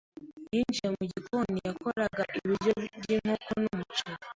Ninjiye mu gikoni, yakoraga ibiryo by'inkoko n'umuceri.